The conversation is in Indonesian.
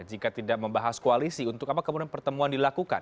jika tidak membahas koalisi untuk apa kemudian pertemuan dilakukan